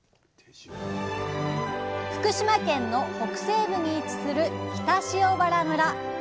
福島県の北西部に位置する北塩原村。